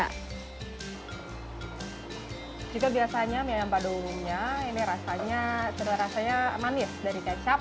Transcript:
kita biasanya makan pada umumnya ini rasanya rasanya manis dari kecap